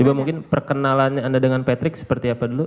iba mungkin perkenalan anda dengan patrick seperti apa dulu